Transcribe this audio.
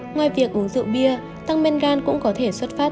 ngoài việc uống rượu bia tăng men gan cũng có thể xuất phát